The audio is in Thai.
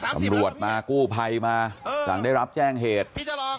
ก็มรวดมากู้ไพมาสั่งได้รับแจ้งเหตุ